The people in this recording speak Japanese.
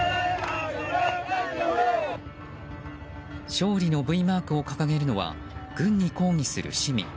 勝利のＶマークを掲げるのは軍に抗議する市民。